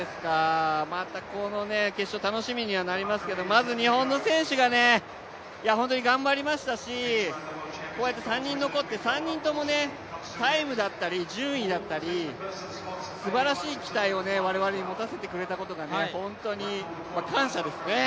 またこの決勝楽しみになりますけど、まず日本の選手が本当に頑張りましたし、こうやって３人残って３人ともタイムだったり順位だったり、すばらしい期待を我々に持たせてくれたことが本当に感謝ですね。